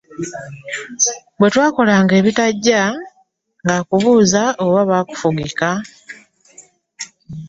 Bwetwakolanga ebitaggya, nga akubuuza oba bakufugika .